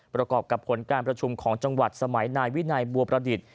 ประกอบกับผลการประชุมของจังหวัดสมัยนายวินัยบัวประดิษฐ์